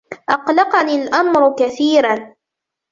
أقلَقني الأمرُ كَثيراً